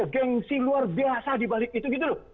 gengsi luar biasa di balik itu gitu loh